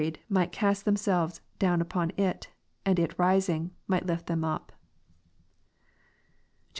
127 might cast themselves down upon It, and It rising, might lift them up. [XIX.